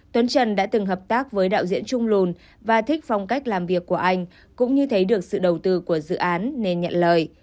tuấn trần đã từng hợp tác với đạo diễn trung lùn và thích phong cách làm việc của anh cũng như thấy được sự đầu tư của dự án nên nhận lời